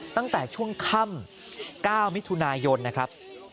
ตั้งแต่ช่วงค่ำ๙มิถุนายนนะครับ